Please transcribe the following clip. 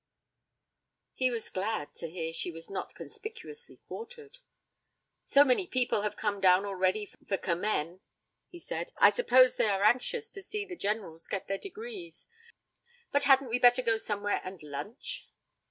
He was glad to hear she was not conspicuously quartered. 'So many people have come down already for Commem,' he said. 'I suppose they are anxious to see the Generals get their degrees. But hadn't we better go somewhere and lunch?'